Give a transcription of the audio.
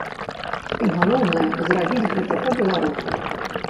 І, галоўнае, зрабіць гэта па-беларуску.